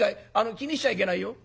気にしちゃいけないよ」。